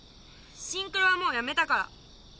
シンクロはもうやめたから。